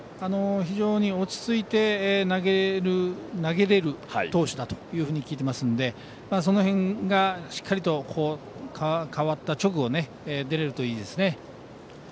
非常に落ち着いて投げられる投手だと聞いてますのでその辺が、しっかり代わった直後出せるといいですね。